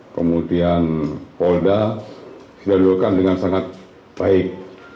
kemudian polda sudah dilakukan dengan sangat baik